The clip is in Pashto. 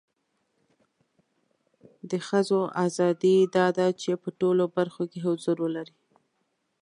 د خځو اذادی دا ده چې په ټولو برخو کې حضور ولري